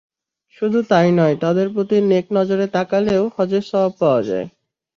শুধু তা-ই নয়, তাঁদের প্রতি নেক নজরে তাকালেও হজের সওয়াব পাওয়া যায়।